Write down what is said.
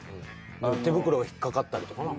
手袋が引っ掛かったりとかなぁ。